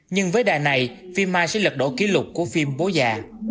nhưng với đài này phim mai sẽ lật đổ kỷ lục của phim bố già